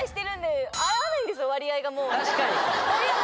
確かに！